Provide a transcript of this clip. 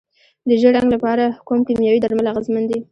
د ژیړ زنګ لپاره کوم کیمیاوي درمل اغیزمن دي؟